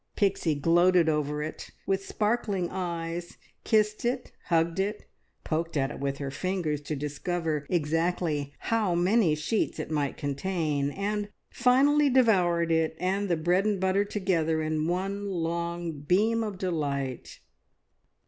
Pixie gloated over it with sparkling eyes, kissed it, hugged it, poked at it with her fingers to discover exactly how many sheets it might contain, and finally devoured it and the bread and butter together in one long beam of delight.